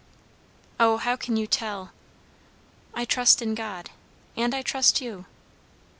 "O how can you tell?" "I trust in God. And I trust you."